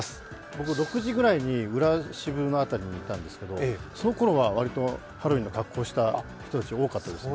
僕６時くらいに裏シブの辺りにいたんですけれども、そのころはわりとハロウィーンの格好した人多かったですよ。